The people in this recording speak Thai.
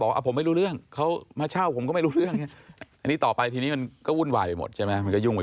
คือคุณจะ